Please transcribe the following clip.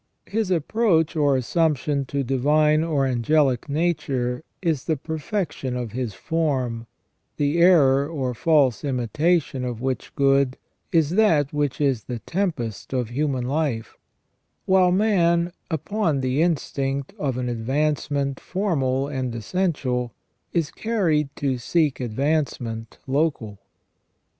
... His approach or assumption to divine or angelic nature is the perfection of his form; the error or false imitation of which good is that which is the tempest of human life, while man, upon the instinct of an advancement formal and essential, is carried to seek advance ment local."